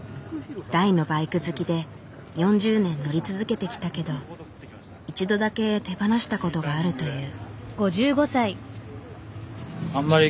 大のバイク好きで４０年乗り続けてきたけど一度だけ手放したことがあるという。